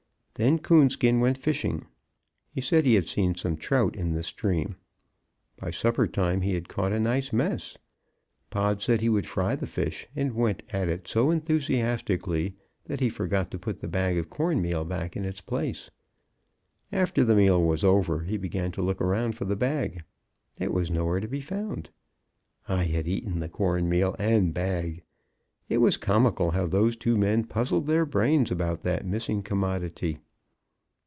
Then Coonskin went fishing. He said he had seen some trout in the stream; by supper time he had caught a nice mess. Pod said he would fry the fish, and went at it so enthusiastically that he forgot to put the bag of corn meal back in its place. After the meal was over, he began to look around for the bag. It was nowhere to be found; I had eaten the corn meal and bag. It was comical how those two men puzzled their brains about that missing commodity.